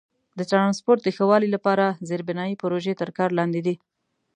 د ترانسپورت د ښه والي لپاره زیربنایي پروژې تر کار لاندې دي.